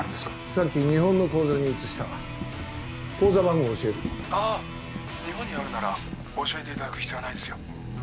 さっき日本の口座に移した口座番号を教える☎ああ日本にあるなら教えていただく必要はないですよ